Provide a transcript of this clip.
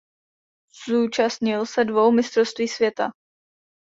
Zúčastnil se dvou mistrovství světa.